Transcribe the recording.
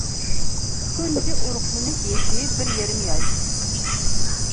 تۇنجى ئۇرۇقلىنىش يېشى بىر يېرىم ياش.